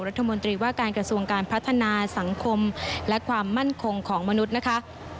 รัฐมนตรีว่าการกระทรวงการพัฒนาสังคมและความมั่นคงของมนุษย์นะคะ